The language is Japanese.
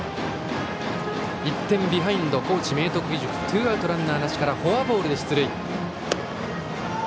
１点ビハインドの高知・明徳義塾ツーアウト、ランナーなしからフォアボールで出塁。